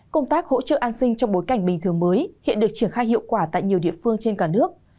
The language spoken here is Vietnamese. công tác hỗ trợ an sinh trong bối cảnh bình thường mới hiện được triển khai hiệu quả tại nhiều địa phương trên cả nước